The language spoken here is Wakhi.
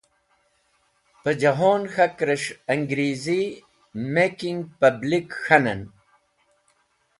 Pẽ jẽhon k̃hakẽrs̃h Ẽngrizi (making Public) k̃hanẽn